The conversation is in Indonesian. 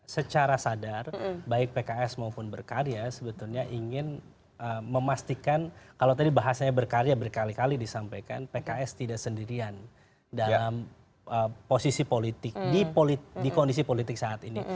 secara sadar baik pks maupun berkarya sebetulnya ingin memastikan kalau tadi bahasanya berkarya berkali kali disampaikan pks tidak sendirian dalam posisi politik di kondisi politik saat ini